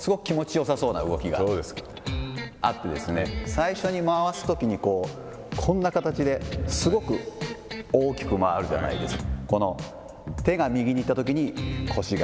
最初に回すときにこんな形で、すごく大きく回るじゃないですか。